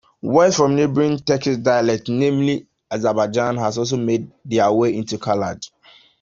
Words from neighboring Turkic dialects, namely, Azerbaijani have also made their way into Khalaj.